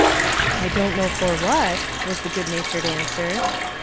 "I don't know for what," was the good natured answer.